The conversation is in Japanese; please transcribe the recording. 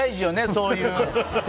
そういう。